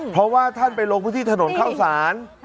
เพราะว่าท่านไปลงพฤทธิษฐนตร์เข้าศาล